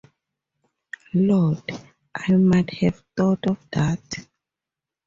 Lord, I might have thought of that.